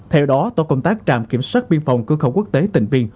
theo đó tổ công tác trạm kiểm soát biên phòng cư khẩu quốc tế tỉnh biên